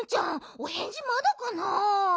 おへんじまだかな？